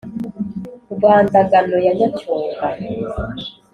rwa ndagano ya nya cyonga *,